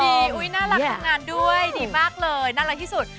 อุ๊ยน่ารักทำงานด้วยดีมากเลยน่ารักที่สุด